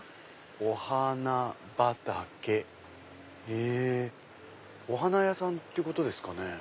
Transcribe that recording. へぇお花屋さんってことですかね。